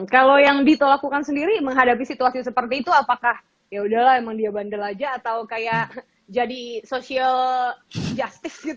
kalau yang dito lakukan sendiri menghadapi situasi seperti itu apakah yaudahlah emang dia bandel aja atau kayak jadi social justice gitu